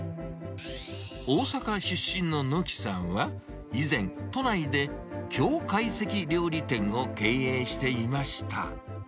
大阪出身の貫さんは、以前、都内で京懐石料理店を経営していました。